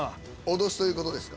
脅しということですか？